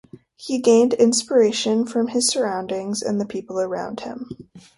He gained inspiration from his surroundings and the people around him.